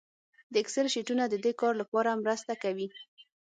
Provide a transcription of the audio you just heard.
د اکسل شیټونه د دې کار لپاره مرسته کوي